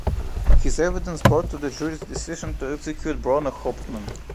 His evidence brought to the jury's decision to execute Bruno Hauptmann.